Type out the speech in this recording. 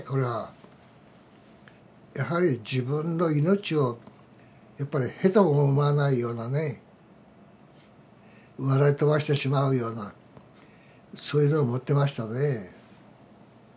やはり自分の命をやっぱり屁とも思わないようなね笑い飛ばしてしまうようなそういうのを持ってましたね。